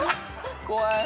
怖い。